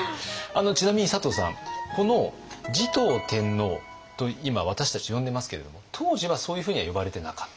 ちなみに佐藤さんこの持統天皇と今私たち呼んでますけれども当時はそういうふうには呼ばれてなかった？